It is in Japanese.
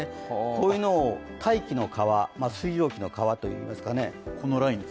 こういうのを大気の川、水蒸気の川といいますかね。